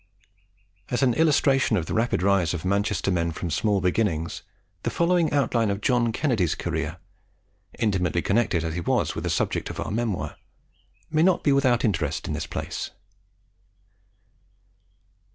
As an illustration of the rapid rise of Manchester men from small beginnings, the following outline of John Kennedy's career, intimately connected as he was with the subject of our memoir may not be without interest in this place.